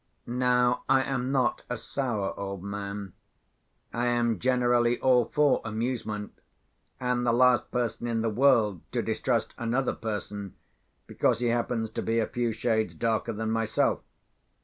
Now I am not a sour old man. I am generally all for amusement, and the last person in the world to distrust another person because he happens to be a few shades darker than myself.